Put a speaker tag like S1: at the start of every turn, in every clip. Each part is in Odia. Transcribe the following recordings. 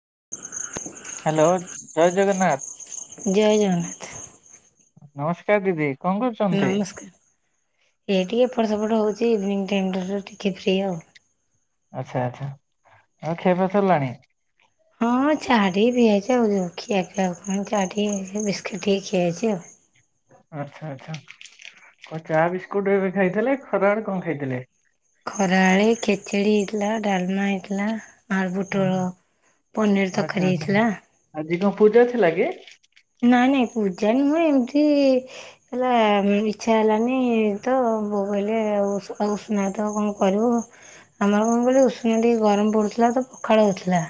S1: [inaudible]
S2: ହାଲୋ ଜୟ ଜଗନ୍ନାଥ।
S1: ଜୟ ଜଗନ୍ନାଥ
S2: ନମସ୍କାର ଦିଦି। କଣ କରୁଛନ୍ତି?
S1: ନମସ୍କାର ଏଇଠି ଏପଟ ସେପଟ ହଉଛି ଇଭିନି ଟାଇମ୍ଟାରୁ ଟିକେ ଫ୍ରି ଆଉ।
S2: ଆଚ୍ଛା ଆଚ୍ଛା ଆଉ କ୍ଷିଆ ପାଆ ସରିଲାଣି?
S1: ହଁ ଛାଡ଼ିି [unintelligible] ବିସ୍କୁିଟି ଖିଆ ହେଇଛି ଆଉ।
S2: ଆଚ୍ଛା ଆଚ୍ଛା କଣ ଚା ବିସ୍କୁଟ ଏବେ ଖାଇଥିଲେ ଖରା ବେଳେ କଣ ଖାଇଥିଲେ?
S1: ଖରାବେଳେ ଖିଚିଡି ହେଇଥିଲା ଡାଲମା ହେଇଥିଲା ଆଳୁ ପୋଟଳ ପନିର
S2: ଆଚ୍ଛା
S1: ତରକାରୀ
S2: ଆଚ୍ଛା
S1: ହେଇଥିଲା।
S2: ଆଜି କଣ ପୂଜା ଥିଲା କି?
S1: ଜାଣି ମୁଁ ଏମିତି ହେଲା ଇଚ୍ଛା ହେଲାନି ତ ବୋଉ କହିଲେ ଆଉ ଉଷୁନା ତ କଣ କରିବୁ ଆମର କଣ କହିଲୁ ଉଷୁନା ଟିକେ ଗରମ ପଡୁଥିଲା ତ ପଖାଳ ହଉଥିଲା।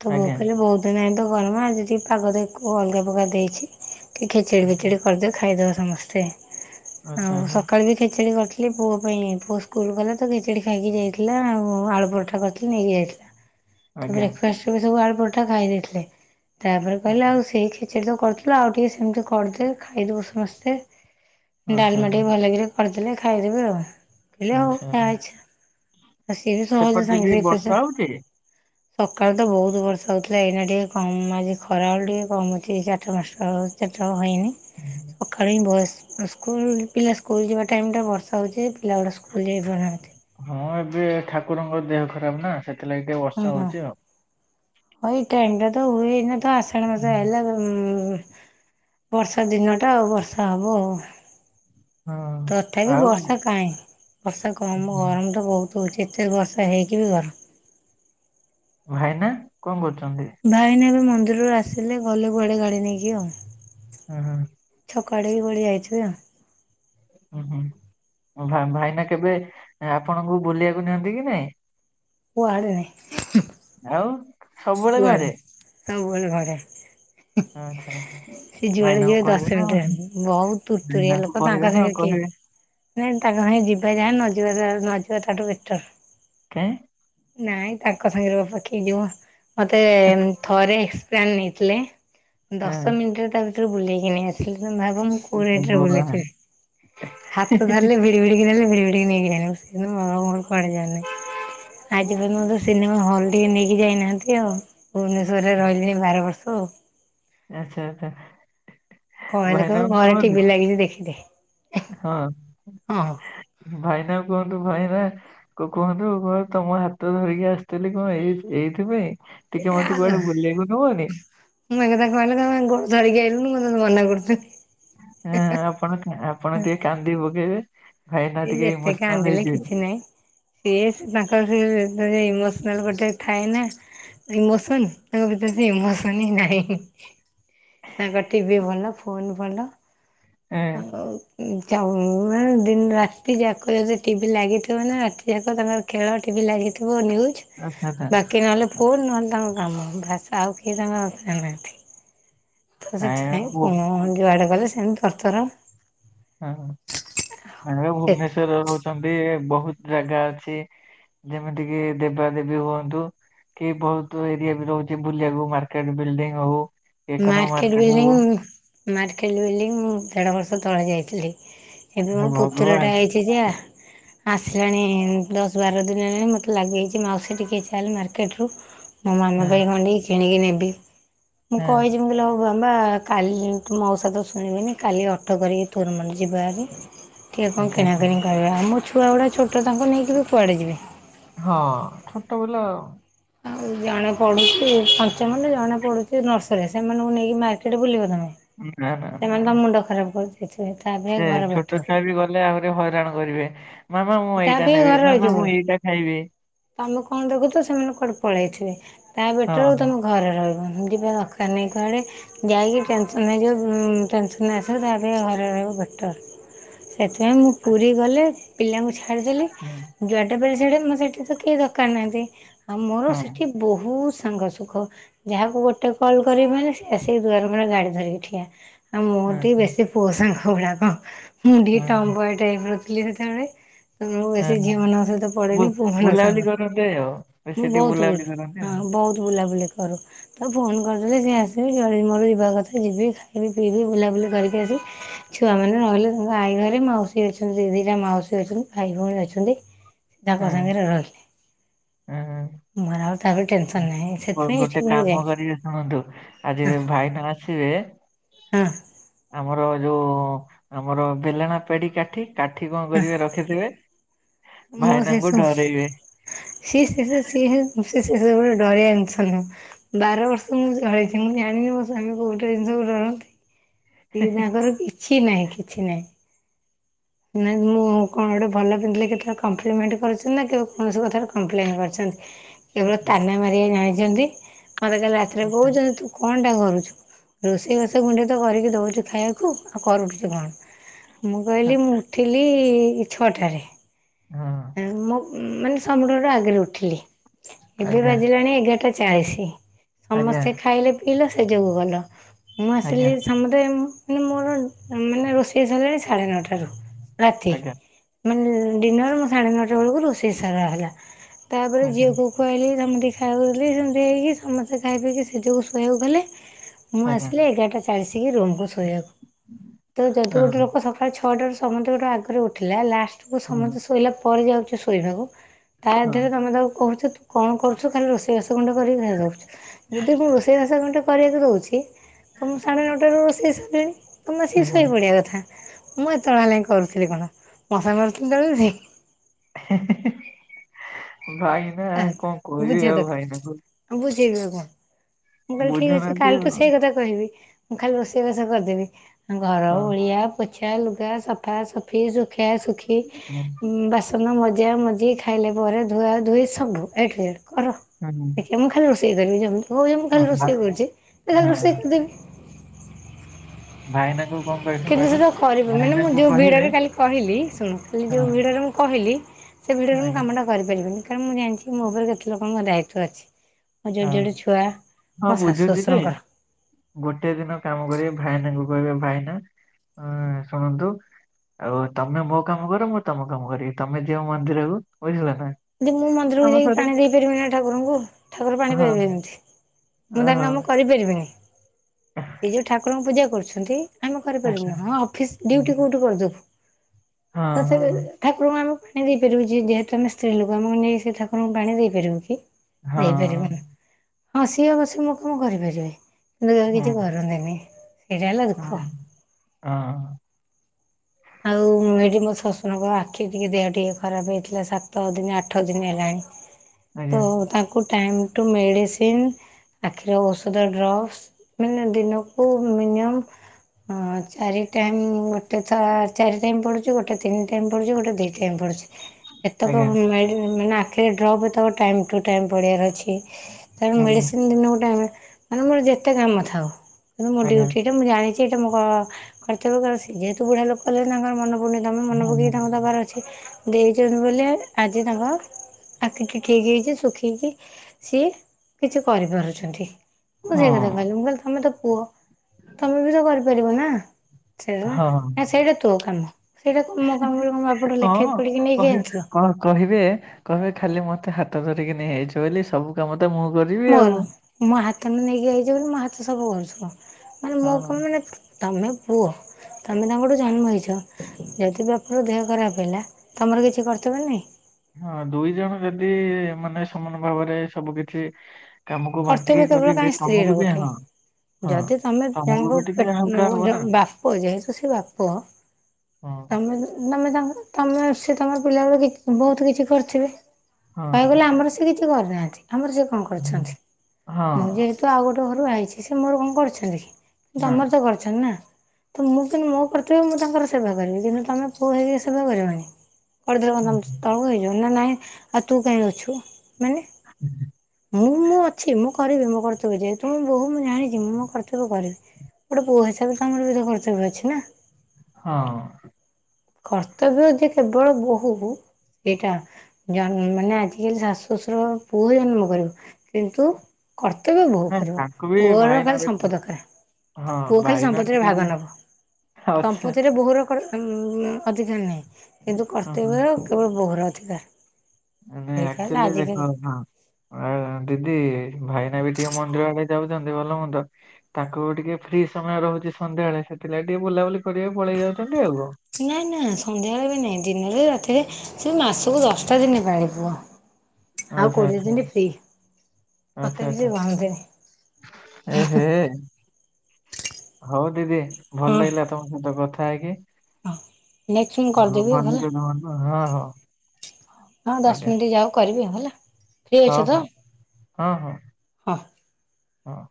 S1: ତ ବୋଉ
S2: ଆଜ୍ଞା
S1: କହିଲେ ବହୁତ ଦିନ ଏଇ ତ ଗରମ ଆଜି ଟିକେ ପାଗ ଦେଇଛି ଅଲଗା ପ୍ରକାର ଦେଇଛି। କି ଖିଚିଡ଼ି ଫିଚିଡ଼ି କରିଦିଅ ଖାଇଦେବ ସମସ୍ତେ
S2: ଆଚ୍ଛା
S1: ଆଉ
S2: ଆଚ୍ଛା
S1: ସକାଳୁ ବି ଖିଚିଡ଼ି କରି ପୁଅ ପାଇଁ ପୁଅ ସ୍କୁଲ ଗଲା ତ ଖିଚିଡି ଖାଇକି ଯାଇଥିଲା ଆଉ ଆଳୁ ପରଟା କରିଥିଲି ନେଇକି ଯାଇଥିଲା। ତ
S2: ଆଜ୍ଞା
S1: ବ୍ରେକଫାଷ୍ଟରେ ବି ସବୁ ଆଳୁପଟା ଖାଇ ଦେଇଥିଲେ ତାପର କହିଲେ ଆଉ ସେଇ ଚ ତ କରିଥିଲୁ ଆଉ ଟିକେ ସେମିତି କରିଦେ ଖାଇଦବୁ ସମସ୍ତେ
S2: ଆଚ୍ଛା
S1: ଡାଲମା
S2: ଆଚ୍ଛା
S1: ଟିକେ ଭଲ କିରି କରିଦେଲେ ଖାଇଦେବେ ଆଉ ମୁଁ କହିଲି ହଉ
S2: ଆଚ୍ଛା
S1: ତା ଇଚ୍ଛା। ଆସି ବି ସହଯେ
S2: ସେପଟେ
S1: ସାଙ୍ଗେ
S2: ଦିଦି
S1: ସାଙ୍ଗେ
S2: ବର୍ଷା
S1: ପଇସା।
S2: ହଉଛି?
S1: ସକାଳୁ ତ ବହୁତ ବର୍ଷା ହଉଥିଲା ଏଇନା ଟିକେ କମ ଆଜି ଖରାବେଳୁ ଟିକେ କମ ଅଛି। ଏଠି ଚି ମାଞ୍ଚ ସେଟା ହୋଇନି ସକାଳୁ ହିଁ ବସ୍। ସ୍କୁଲ ପିଲା ସ୍କୁଲ ଯିବା ଟାଇମଟା ବର୍ଷା ହେଉଛି ପିଲା ଗୁଡା ସ୍କୁଲ ଯାଇ ଫେରନ୍ତି।
S2: ହଁ ଠାକୁରଙ୍କ ଦେହ ଖରାପ ନା ସେ
S1: ହୁଁ ଭ [unintelligible] ତ ହୁଏନା ତ ଆଷାଢ ମାସ ହେଲା ଉ ବର୍ଷା ଦିନ ଟା ଆଉ ବର୍ଷା ହବ ଆଉ।
S2: ହଁ
S1: ତଥାପି
S2: ଆଉ
S1: ବର୍ଷା କାହିଁ ବର୍ଷା କମ୍ ଗରମ ତ ବହୁତ। ଏତେ ବର୍ଷା ହେଇକି ବି କମ୍।
S2: ଭାଇନା କଣ କରୁ
S1: ଭାଇନା ଏବେ ମନ୍ଦିରରୁ ଆସିଲେ ଗଲେ କୁଆଡେ ଗାଡି ନେଇକି ଆଉ।
S2: ଓ ହୋ।
S1: ଛକ ଆଡ଼େ କି କୁଆଡେ ଯାଇଥିବେ ଆଉ।
S2: ଉ ହୁଁ ଭାଇନା କେବେ ଆପଣଙ୍କୁ ବୁଲେଇବାକୁ ନିଅନ୍ତି କି ନାଇଁ?
S1: କୁଆଡ଼େ ନାଇଁ।
S2: ଆଉ ସବୁବେଳେ
S1: କୁଆଡେ
S2: ଘରେ?
S1: ସବୁବେଳେ ଘରେ।
S2: ଆଛା।
S1: ସି ଯିବା ବଡକୁ ଯିବେ ଦଶ ମିନିଟରେ ବହୁତ ତୁର୍ତୁରିଆ
S2: ଭାଇନାଙ୍କୁ
S1: ଲୋକ
S2: କହିବେ
S1: ତାଙ୍କ
S2: ନା ଆଉ
S1: ସାଙ୍ଗେ କିଏ
S2: କହିବେ
S1: ନାଇଁ ତାଙ୍କ ସହ ଯିବା ଯାହା ନ ଯିବା ତାଠୁ ବେଟର।
S2: କାଇଁ?
S1: ନାଇଁ ତାଙ୍କ ସାଙ୍ଗରେ ବୋପା କିଏ ଯିବ ମତେ ଥରେ ପ୍ରାନ୍ ନେଇଥିଲେ। ଦଶ ମିନିଟରେ ତା ଭିତରୁ ବୁଲେଇକି ନେଇ ଆସିଲି। ଭାବ ମୁଁ କୋଉଁ
S2: ହଁ
S1: ରେଟ ରେ
S2: ଭଗବାନ।
S1: ବୁଲିଥିବି। ହାତ ଧରିଲେ ଭିଡି ଭିଡି ନେଲେ ଭିଡି ଭିଡି। ମ ପେ। [unintelligible] ଆଜି ପର୍ଯ୍ୟନ୍ତ ମତେ ସିନେମା ହଲ୍ ଟିକେ ନେଇକି ଯାଇନାହାନ୍ତି। ଆଉ ଭୁବନେଶ୍ଵରରେ ରହିଲିଣିି ବାର ବର୍ଷ ଆଉ।
S2: ଆଛା ଆଛା।
S1: କହିଲେ କହିବ ଘରେ ଟିଭି ଲାଗିଛି ଦେଖିଦେ।
S2: ହଁ।
S1: ହଁ
S2: ଭାଇନାଙ୍କୁ କୁହନ୍ତୁ ଭାଇନା। କୁ କୁହନ୍ତୁ କହ ତମ ହାତ ଧରିକି ଆସିଥିଲି କଣ ଏଇ ଏଇଥିପାଇଁ? ଟିକେ ମତେ କୁଆଡେ ବୁଲେଇଆକୁ ନବନି?
S1: କହେଲେ ତୁ [unintelligible] ଗୋଡ଼ ଧରିକି ଆଇଲୁନୁ ମୁଁ ତତେ ମନା କରୁଥିଲି।
S2: ହଁ। ଆପଣ ଆପଣ ଟିକେ କାନ୍ଦି ପକେଇବେ। ଭାଇନା
S1: ସେ
S2: ଟିକେ
S1: ଯେତେ
S2: ଇମୋସନାଲ
S1: କାନ୍ଦିଲେ
S2: ହେଇଯିବେ
S1: କିଛି ନାହିଁ। ସିଏ ତାଙ୍କ ସେ ଇମୋସନାଲ ଗୋଟେ ଥାଏ ନା। ଇମୋସନ ତାଙ୍କ ଭିତରେ ସେ ଇମୋସନ ହିଁ ନାହିଁ। ତାଙ୍କ ଟିଭି ଭଲ ଫୋନ ଭଲ
S2: ହଁ
S1: ଆଉ। ଜମା ଦିନ ରାତି ଯାକ ଯଦି ଟିଭି ଲାଗିଥିବ ନା ରାତି ଯାକ ତାଙ୍କର ଖେଳ ଟିଭି। ଲାଗିଥିବ ନିୟୁଜ୍
S2: ଆଚ୍ଛା ଆଚ୍ଛା
S1: ବାକି ନହେଲେ ଫୋନ ନହେଲେ ତାଙ୍କ କାମ ଭାଷା ଆଉ କେହି ତାଙ୍କ। [unintelligible] ତ
S2: ଭାଇନା
S1: ସେଥିପାଇଁ
S2: କୁ
S1: କଣ ଯୁଆଡେ ଗଲେ ସେମିତି ତର୍ତର।
S2: ହଁ। ଭୁବନେଶ୍ଵର ରହୁଛନ୍ତି। ବହୁତ ଜାଗା ଅଛି ଯେମିତି କିି ଦେବା ଦେବୀ ହୁଅନ୍ତୁ। କି ବହୁତ ଏରିଆ ବି ରହୁଛି ବୁଲିବାକୁ ମାର୍କେଟ ବିଲ୍ଡିଙ୍ଗ ହଉ। ଏକନ
S1: ମାର୍କେଟ
S2: ହଉ
S1: ବିଲ୍ଡିଙ୍ଗ ମାର୍କେଟ ବିଲ୍ଡିଙ୍ଗ ମୁଁ ଦେଢ ବର୍ଷ ତଳେ ଯାଇଥିଲି। ଏବେ ମୋ
S2: ହେ
S1: ପୁତୁରା
S2: ଭଗବାନ
S1: ଟା ହେଇଛି ଯେ ଆସ ଆସିଲାଣି ଦଶ ବାର ଦିନ ହେଲାଣି ମୋତେ ଲାଗି ହୋଇଛି ମାଉସୀ ଟିକଏ ଚାଲେ ମାର୍କେଟରୁ ମୋ ମାମା
S2: ହଁ
S1: ପାଇଁ କଣ ଟିକେ କିଣିକି ନେବି। ମୁଁ
S2: ହଁ
S1: କହିଛିି ମୁଁ କହିଲି ହଉ। ବା କାଲି ତୋ ମଉସା ତ ଶୁଣିବେନି। କାଲି ଅଟ କରିକି ତୋର ମୋର ଯିବା ହାରି। ଟିକେ କଣ
S2: ଆଚ୍ଛା ଆଚ୍ଛା
S1: କିଣାକିଣି କରିବା। ଆଉ ମୋ ଛୁଆ ଗୁଡ଼ା ଛୋଟ ତାଙ୍କୁ ନେଇକି କୁଆଡ଼େ ଯିବେ।
S2: ହଁ। ଛୋଟ ପିଲା ଆଉ।
S1: ଆଉ ଜଣେ ପଡୁଛି ପଞ୍ଚମରେ। ଜଣେ ପଡୁଛି ନର୍ସରୀରେ ସେମାନଙ୍କୁ ନେଇକି ମାର୍କେଟ ବୁଲିବ ତମେ
S2: ନା ନା
S1: ।
S2: ନା
S1: ସେମାନେ
S2: ନା
S1: ତମ ମୁଣ୍ଡ ଖରାପ କରିଦେଇଥିବେ। ତାପ
S2: ସେ
S1: ଅପେକ୍ଷା ଘରେ
S2: ଛୋଟ
S1: ବେଟର।
S2: ଛୁଆ ବି ଗଲେ ଆହୁରି ହଇରାଣ କରିବେ। ମାମା ମୁଁ
S1: ତା
S2: ଏଇଟା
S1: ଅପେକ୍ଷା
S2: ନେବି
S1: ଘରେ
S2: ମାମା
S1: ରହିଯିବ
S2: ମୁଁ
S1: ଭଲ।
S2: ଏଇଟା ଖାଇବି।
S1: ତମେ କଣ ଦେଖୁଛ ସେମାନେ କୁଆଡେ ପଳେଇଥିବେ। ତା
S2: ହଁ
S1: ବେଟର ତମେ ଘରେ ରହିବ। ଯିବା ଦରକାର ନାହିଁ କୁଆଡ଼େ। ଯାଇକି ଟେନସନ୍ ହେଇ ହେଇଯିବ। ଟେନସନ୍ ଆସିବ ତାପରେ ଘରେ ରହୁ ବେଟର। ସେଥିପାଇଁ ମୁଁ ପୁରୀ ଗଲେ ପିଲାଙ୍କୁ ଛା ଛାଡିଦେଲି।
S2: ହଁ
S1: ଯୁଆଡେ ପାଇ ସିଆଡ଼େ ମୋର ସେଇଠି ତ କେହି ଦରକାର ନାହାନ୍ତି। ଆଉ ମୋର
S2: ହଁ
S1: ସେଠି ବହୁତ ସାଙ୍ଗ ସୁଖ ଯାହାକୁ ଗୋଟେ କଲ୍ କରିବି ମାନେ ସିଏ ଆସିକି ଦୁଆର ମୁହଁରେ ଗାଡି ଧରିକି ଠିଆ। ଆଉ ମୋର
S2: ହଁ
S1: ଟିକେ
S2: ହଁ
S1: ବେଶୀ ପୁଅ ସାଙ୍ଗ ଗୁଡାକ। ମୁଁ ଟିକେ
S2: ହଁ
S1: ଟମ୍ପ ଟାଇପର ଥିଲି ସେତେବେଳେ। ମୁଁ ବେଶୀ
S2: ହଁ
S1: ଝିଅ ମାନଙ୍କ ସହିତ ପଡ଼େନି
S2: ବୁ-
S1: ପୁଅ ମାନଙ୍କ
S2: ବୁଲାବୁଲି
S1: ସାଙ୍ଗ।
S2: କରନ୍ତେ ଆଉ
S1: ମୁଁ
S2: ସେଠି
S1: ବହୁତ ହଁ
S2: ବୁଲାବୁଲି
S1: ବହୁତ
S2: କରନ୍ତେ ଆଉ
S1: । ବହୁତ ବୁଲାବୁଲି। କରୁ ତାକୁ ଫୋନ କରିଦେଲେ ସିଏ ଆସିବେ ମୋର ଯିବା କଥା ଯିବି ଖାଇବି ପିଇବି ବୁଲାବୁଲି କରିକି ଆସିବି ଘରକୁ। ଛୁଆ ମାନେ ନହେଲେ ତାଙ୍କ ଆଈ ଘରେ ମାଉସୀ ଅଛନ୍ତି ଦି ଦିଟା ମାଉସୀ ଅଛନ୍ତି। ଭାଇ ଭଉଣୀ ଅଛନ୍ତି। ସେ ତାଙ୍କ ସାଙ୍ଗରେ ରହିଲେ।
S2: ହୁଁ।
S1: ମୋର ଆଉ ତାପରେ ଟେନସନ ନାହିଁ ସେଥିପାଇଁ ଏଠି
S2: ଗୋଟେ
S1: କୁଆଡେ
S2: କାମ
S1: ଯାଏନି
S2: କରିବେ ଶୁଣନ୍ତୁ। ଆଜି ଭାଇନା ଆସିବେ
S1: ହଁ।
S2: ଯୋଉଁ ଆମର ବେଲଣା ପେଡି କାଠି। କାଠି କଣ କରିବେ ରଖିଥିବେ।
S1: ମୁଁ
S2: ଭାଇନାଙ୍କୁ
S1: ସେସବୁ
S2: ଡରାଇବେ।
S1: [unintelligible] ଡରିବା ଜିନିଷ ନୁହଁ। ବାର ବର୍ଷ ମୁଁ ରହିଚି, ମୁଁ ଜାଣିନି ମୋ ସାଙ୍ଗେ କୋଉ ଜିନିଷ ଡରନ୍ତି। ସେ ତାଙ୍କର କିଛି ନାହିଁ ।କିଛି ନାହିଁ। ନାଇଁ ।ମୁଁ କଣ ଗୋଟେ ଭଲ ପିନ୍ଧିଲି, କେତେବେଳେ କମ୍ପ୍ଲିମେଣ୍ଟ କରିଛନ୍ତି। ନା କୌଣସି କଥାରେ କମ୍ପ୍ଲେନ କରିଛନ୍ତି। କେବଳ ତାନା ମାରିବା ଜାଣିଛନ୍ତି। ମତେ କାଲି ରାତିରେ କହୁଛନ୍ତି। ତୁ କଣ ଟା କରୁ ରୋଷେଇ ବାସ ତ ଗଣ୍ଡେ କରିକି ଦଉଛୁ ଖାଇବାକୁ। ଆଉ କରୁୁଚୁ କଣ? ମୁଁ କହିଲି। ମୁଁ ଉଠିଲି ଛଅଟାରେ।
S2: ହଁ
S1: ମୁଁ ମାନେ, ସମୁଦରୁ ଆଗରେ ଉଠିଲି ।ଏବେ
S2: ଆଜ୍ଞା
S1: ବାଜିଲାଣି ଏଗାରଟା। ଚାଳିଶ।
S2: ଆଜ୍ଞା
S1: ସମସ୍ତେ ଖାଇଲେ ପିଇଲ, ସେ ଯୁଗ ଗଲ। ମୁଁ
S2: ଆଜ୍ଞା
S1: ଆସିଲି, ସମସ୍ତେ ମାନେ ମୋର ରୋଷେଇ ସରିଲାଣି ସାଢେ ନଅଟାରୁ। ରାତି
S2: ଆଜ୍ଞା
S1: ମାନେ ଡିନର ମୁଁ ସାଢେ ନଅଟା ବେଳକୁ ରୋଷେଇ ସରା ହେଲା। ତାପରେ
S2: ଆଜ୍ଞା
S1: ଝିଅକୁ କହିଲି ତମ ଦେ ଖାଇକୁଥିଲ। ସେମିତି ହେଇକି, ସମସ୍ତେ ଖାଇ ପିଇକି ସେଜକୁ ଶୋଇବାକୁ ଗଲେ। ମୁଁ
S2: ଆଜ୍ଞା
S1: ଆସିଲି ଏଗାରଟା ଚାଳିଶିକି, ରୁମକୁୁ ଶୋଇବାକୁ। ତ ଯଦି ଗୋଟେ
S2: ହଁ
S1: ଲୋକ ସକାଳ ଛଅଟା ସମସ୍ତେ ଗୋଟେ ଆଗରେ ଉଠିଲା ।ଲାଷ୍ଟକୁ ସମସ୍ତେ
S2: ହଁ
S1: ଶୋଇଲା ପରେ ଯାଉଛି, ଶୋଇବାକୁ। ତା ଏରେ, ତମେ ତାକୁ କହୁଛୁ ।କଣ କରୁ ଖାଲି ରୋଷେଇ ବାସ ଗଣ୍ଡେ କରିକି ଦେଉଛୁ। ଯଦି ମୁ ରୋଷେଇବା ଣ୍ଟେ କରିବାକୁ, ରହୁଛି। ତ ମୁଁ ସାଢେ ନଅଟା ର ରୋଷେଇ ସରେ। ତମେ
S2: ହଁ
S1: ଶୋଇ
S2: ହଁ
S1: ପଡିବା କଥା। ମୁଁ ଏତେବେଳେ ହେ ଲାଗି କରୁଥିଲି କଣ ।ମଶା ମାରୁଥିଲି
S2: ଭାଇନା, କଣ
S1: ଆଜ୍ଞା
S2: କହିବି
S1: ବୁଝିବା
S2: ଆଉ
S1: ଦରକାର
S2: ଭାଇନଙ୍କୁ।
S1: ଆଉ କଣ ମୁଁ କହିଲେ ଠିକ ଅଛି। କାଲି ତୁ
S2: ଆଉ
S1: ସେଇ କଥା କହିବି। ମୁଁ ଖାଲି ରୋଷେଇବାଷ କରିଦେବି ।ଘର
S2: ହଁ
S1: ଓଳିଆ ପୋଛା, ଲୁଗା ସଫା ସଫି, ଶଖିଆ ଶୁଖି
S2: ହୁଁ
S1: ବାସନ ମଜା ମଜି, ଖାଇଲେ ପରେ ଧୁଆ ଧୋଇ। ସବୁ ଏ ଠୁ ଜେଡ କର
S2: ହୁଁ
S1: ଆ। ମୁଁ ଖାଲି ରୋଷେଇ କ। ଯେମନ ହଉ ଏ, ମୁଁ
S2: ହଁ
S1: ଖାଲି
S2: ଭା-
S1: ରୋଷେଇ କରୁଛି ।କାଲି ରୋଷେଇ
S2: ହଁ।
S1: ଏକଦିନି
S2: ଭାଇନା ଙ୍କୁ
S1: କିନ୍ତୁ ସେଟ କରିବ ।ମାନେ ମୁଁ ଯୋଉ
S2: କହିବେ
S1: ଭିଡରେ କାଲି କହିଲି ।ଶୁଣ କାଲି
S2: ହଁ
S1: ଯୋଉଁ ଭିଡରେ, ମୁଁ କହିଲି ସେ ଭିଡରେ ।ମୁଁ
S2: ଆଜ୍ଞା
S1: କାମଟା କରିପାରିବିନି ।କାରଣ ମୁଁ ଜାଣିଛି ମୋ ଉପରେ କେତେ ଲୋକଙ୍କର ଦାୟିତ୍ଵ ଅଛି। ମୋ
S2: ହଁ
S1: ଯେଡ଼େ ଯେଡ଼େ ଛୁଆ।
S2: ହଁ
S1: ମୋ ଶାଶୁ
S2: ବୁଝୁଛି ଯେ
S1: ଶ୍ୱଶୁରଙ୍କର।
S2: ଗୋଟେ ଦିନ କାମ କରିବେ, ଭାଇନାଙ୍କୁ କହିବେ। ଭାଇନା ଶୁଣନ୍ତୁ। ଆଉ ତମେ ମୋ କାମ କର ।ମୁଁ ତମ କାମ କରିବି ।ତମେ ଯଅ ମନ୍ଦିରକୁ ବୁଝିଲ। ନା
S1: ଯଦି ମୁଁ ମନ୍ଦିରକୁ
S2: କାମ
S1: ଯାଇକି, ପାଣି
S2: ସରିକି
S1: ଦେଇପାରିବି ନା ଠାକୁରଙ୍କୁ। ଠାକୁର ପାଣି
S2: ହଁ
S1: ପାଇବି ଏମିତି। ମୁଁ ତାଙ୍କ
S2: ଓହୋ
S1: କାମ କରିପାରିବିନି। ସେ ଯୋଉ ଠାକୁରଙ୍କୁ ପୂଜା କରୁଛନ୍ତି। ଆମେ
S2: ଆଚ୍ଛା
S1: କରିପାରିବୁନ। ହଁ, ଅଫିସ ଡୁଟି କୋଉଠୁ କରିଦବୁ।
S2: ହଁ
S1: ତ ସେ
S2: ହଁ
S1: ଠାକୁରଙ୍କୁ ଆମକୁ ପାଣି ଦେଇ ପାରିବୁ। ଯେ ଯେହେତୁ ଆମେ ସ୍ତ୍ରୀ ଲୋକ। ଆମକୁ ନେଇକି, ସେ ଠାକୁରଙ୍କୁ ପାଣି ଦେଇପାରିବ କି
S2: ହଁ
S1: ।ଦେଇପାରିବନି। ହଁ ।ସିଏ ଅବଶ୍ୟ ମୁଁ କଣ କରିପାରିବି। କିନ୍ତୁ
S2: ହଁ
S1: କିଛି କରନ୍ତିନି। ହେଲା
S2: ହଁ,
S1: ଦୁଃଖ।
S2: ହଁ।
S1: ଆପଣଙ୍କ ଆଖି ଟିକେ ଦେହ ଟିକେ ଖରାପ ହେଇଥିଲା। ସାତ ଦିନ ଆଠ ଦିନ ହେଲାଣି। ତ
S2: ଆଜ୍ଞା
S1: ତାଙ୍କୁ ଟାଇମ ଟୁ ମେଡିସିନ ଆଖିର ଔଷଧ ଡ୍ରପସ୍ ଦିନକୁ ମିନିମମ୍ ହଁ ଚାରି ଟାଇମ୍ ଗୋଟେ [unintelligible] ଚାରି ଟାଇମ୍ ପଡୁଛି ।ଗୋଟେ ତିନି ଟାଇମ୍ ପଡୁଛି ।ଗୋଟେ ଦି ଟାଇମ୍ ପଡୁଛି। ଏତକ
S2: ଆଜ୍ଞା
S1: [unintelligible] ମାନେ ଡ୍ରପ୍ ତ, ଟାଇମ ଟୁ ଟାଇମ ପଢିବାର ଅଛି। ତା
S2: ଆଜ୍ଞା
S1: ମେଡିସିନ ଦିନେ [unintelligible] ଗୋଟେମେ, ମାନେ ମୋର ଯେତେ କାମ ଥାଉ। କିନ୍ତୁ ମୋ
S2: ଆଜ୍ଞା
S1: ଡ୍ୟୁଟିଟା ।ମୁଁ ଜାଣିଛି ଏଇଟା ମୋ କର୍ତବ୍ୟ କରିଛି। ଯେହେତୁ ବୁଢା ଲୋକ ହେଲେଣି ତାଙ୍କର ମନ ପୁଣିି ତମେ ମନେ
S2: ହଁ
S1: ପକେଇକି ତାଙ୍କ ଦବାର ଅଛି, ଦେଇଛନ୍ତି ବୋଲି ଆଜି, ତାଙ୍କ ଆଖିିକି ଠିକ୍ ହେଇଛି, ଶୁଖେଇକି ସିଏ କିଛି କରିପାରୁଛନ୍ତି। ମୁଁ ସେଇ
S2: ହଁ
S1: କଥା କହିଲି ମୁଁ କହିଲି ତମେ ତ ପୁଅ ତମେ ବି ତ କରିପାରିବ ନା। ସେ
S2: ହଁ
S1: ନା ସେଇଟା ତୋ କାମ। ସେଇଟା ମୋ କାମ ବୋଲି ମୋ ବାପଠୁ ଲେଖେଇ
S2: ହଁ
S1: ପଢିକି ନେଇକି ଆଣିଥିଲ।
S2: କ କହିବେ କହିବେ ଖାଲି ମତେ ହାତ ହାତ ଧରିକିନି ନେଇ ଆଇଚ ବୋଲି ସବୁ କାମ ତ ମୁଁ କରିବି
S1: ମୋର
S2: ଆଉ
S1: ମୋ ହାତ ନ ନେଇକି ଆଇଜ ବୋଲି ମୋ ହାତ ସବୁ କରୁଛ। ମାନେ ମୋ
S2: ହଁ।
S1: କଣ ମାନେ ତମେ ପୁଅ ତମେ ତାଙ୍କଠୁ ଜନ୍ମ ହେଇଛ ଯଦି ବାେପାର ଦେହ ଖରାପ ହେଲା ତମର କିଛି କର୍ତବ୍ୟ ନାହିଁ।
S2: ହଁ ଦୁଇ ଜଣ ଯଦି ମାନେ ସମାନ ଭାବରେ ସବୁ କିଛି କାମକୁ
S1: କର୍ତ୍ତବ୍ୟ
S2: ବାଟିକି
S1: କେବଳ କାହିଁ
S2: କରିବେ
S1: ସ୍ତ୍ରୀର
S2: ତମକୁ ବି
S1: ଗୋଟେ।
S2: ହଁ। ହଁ
S1: ଯଦି ତମେ
S2: ତମକୁ
S1: ଜଣକ
S2: ବି ଟିକେ
S1: ପେଟ
S2: ହାଲକା
S1: ଉଁ
S2: ହବ
S1: ଯ
S2: ନା
S1: ବାପ ଯେହେତୁ ସେ ବାପ
S2: ହଁ
S1: ତମେ ତମେ ତାଙ୍କ ତମେ ସେ ତମର ପିଲାବେଳୁ କିଛ ବହୁତ କିଛି କରିଥିବେ
S2: ହଁ
S1: କହିବାକୁ ଗଲେ ଆମର ସେ କିଛି କରିନାହାନ୍ତି। ଆମର ସେ କଣ
S2: ହୁଁ,
S1: କରିଛନ୍ତି ମୁଁ
S2: ହଁ
S1: ଯେହେତୁ ଆଉ ଗୋଟେ ଘରୁ ଆଇଛି ସେ ମୋର କଣ କରିଛନ୍ତି?
S2: ନା
S1: ତମର ତ କରିଛନ୍ତି ନା। ତ ମୁଁ କିନ୍ତୁ ମୋ କର୍ତଵ୍ୟ ମୁଁ ତାଙ୍କର ସେବା କରିବି କିନ୍ତୁ ତମେ ପୁଅ ହେଇକି ସେବା କରିବନି। କରିଦେଲେ କଣ
S2: ହଁ
S1: ତମେ ତଳକୁ ହେଇଯିବ ନା ନାଇଁ ଆଉ ତୁ କାଇଁ ଅଛୁ। ମାନେ
S2: ହୁଁ। [inaudible]
S1: ମୁଁ ମୁଁ ଅଛି ମୁଁ କରିବି ମୋ କର୍ତବ୍ୟ ଯେହେତୁ ମୁଁ ବୋହୁ ମୁଁ ଜାଣିଛି ମୁଁ ମୋ କର୍ତ୍ତବ୍ୟ କରିବି। ଗୋଟେ ପୁଅ ହିସାବରେ ତମର ବି ତ କର୍ତ୍ତବ୍ୟ ଅଛି ନା।
S2: ହଁ।
S1: କର୍ତ୍ତବ୍ୟ ଯେ କେବଳ ବୋହୁକୁ ସେଇଟା ଜନ୍ ମାନେ ଆଜିକାଲି ଶାଶୁ ଶଶୁର ପୁଅ ଜନ୍ମ କରିବ କିନ୍ତୁ କର୍ତ୍ତବ୍ୟ ବୋହୁ
S2: ନାଇଁ
S1: କରିବ
S2: ତାଙ୍କୁ ବି
S1: ପୁଅର
S2: ଭାଇନା
S1: ଖାଲି
S2: ବି
S1: ସମ୍ପ ଦରକାର।
S2: ହଁ
S1: ପୁଅ ଖାଲି
S2: ଭାଇନା
S1: ସମ୍ପତ୍ତିରେ
S2: ଟିକେ ବି
S1: ଭାଗ ନବ
S2: ଅଛି
S1: ସମ୍ପତିରେ ବହୁ ର ଅଧିକାର ନାହି କିନ୍ତୁ
S2: ହଁ ହଁ
S1: କର୍ତ୍ତବ୍ୟ କେବଳ ବହୁ ର ଅଧିକାର। ସେଇଟା ହେଲା
S2: ଆକ୍ଚୁଆଲି
S1: ଆଜିକାଲି
S2: ଦେଖ ଦିଦି ଭାଇ ବି ଟିକେ ମନ୍ଦିର ଆଡେ ଯାଉଛନ୍ତି ଭଲ ମନ୍ଦ ତାଙ୍କୁ ବି ଟିକେ ଫ୍ରି ସମୟ ରହୁଛି ସନ୍ଧ୍ୟାବେେଳେ ସେଥିଲାଗି ଟିକେ ବୁଲାବୁଲି କରିବାକୁ ପଳେଇ ଯାଉଛନ୍ତି ଆଉ।
S1: ନାଇ ନା ସନ୍ଧ୍ୟାବେଳେ ବି ନାଇଁ ଦିନରେ ରାତିରେ ସେ ମାସକୁ ଦଶଟା ଦିନ ପାଳି ପୁଅ। ଆଉ
S2: ଆଚ୍ଛା
S1: କୋଡ଼ିଏ
S2: ଆଚ୍ଛା
S1: ଦିନି ଫ୍ରି। ତତେ
S2: ଆଚ୍ଛା
S1: କିଛି
S2: ଆଛା
S1: କହନ୍ତିନି
S2: ଏ ହେ ହଉ ଦିଦି
S1: ହଁ
S2: ଭଲ ଲାଗିଲା ତମ ସହିତ କଥା ହେଇକି।
S1: ହଁ ନେକ୍ସଟ୍ ମୁଁ
S2: ହଁ ହଁ
S1: କରିଦେବି ଆଉ ହେଲା।
S2: ଭଲରେ ରୁହନ୍ତୁ ଆଉ ଅ ହ
S1: ହଁ ଦଶ ମିନିଟ୍ ଯାଉ କରିବି ଆଉ ହେଲା। ଫ୍ରି
S2: ହଉ
S1: ଅଛ ତ
S2: ହଉ
S1: ହଁ।
S2: ହଁ।